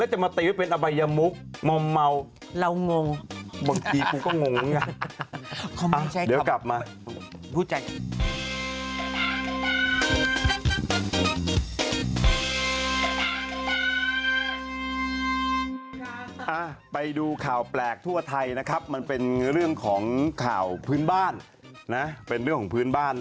เหมือนภูลีบ